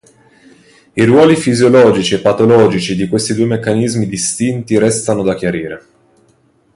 I ruoli fisiologici e patologici di questi due meccanismi distinti restano da chiarire.